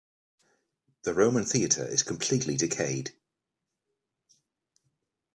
The Roman theatre is completely decayed.